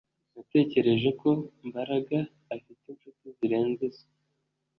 Natekereje ko Mbaraga afite inshuti zirenze izo